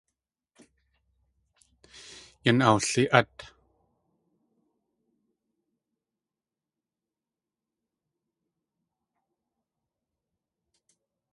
Yan awli.át.